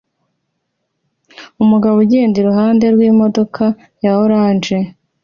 Umugabo ugenda iruhande rw'imodoka ya orange